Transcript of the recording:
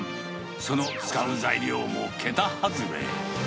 その使う材料も桁外れ。